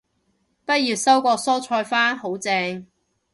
畢業收過蔬菜花，好正